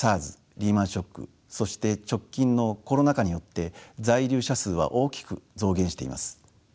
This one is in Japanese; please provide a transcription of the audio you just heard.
リーマンショックそして直近のコロナ禍によって在留者数は大きく増減しています。